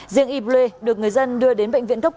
riêng yble được người dân đưa đến bệnh viện gốc cứu